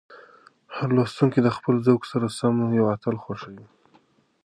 هر لوستونکی د خپل ذوق سره سم یو اتل خوښوي.